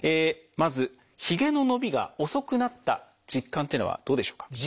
まずひげの伸びが遅くなった実感っていうのはどうでしょうか？